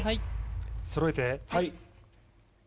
そろえて。